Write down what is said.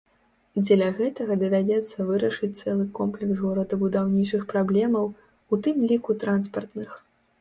Дзеля гэтага давядзецца вырашыць цэлы комплекс горадабудаўнічых праблемаў, у тым ліку транспартных.